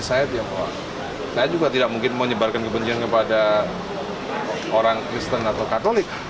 saya juga tidak mungkin mau menyebarkan kebencian kepada orang kristen atau katolik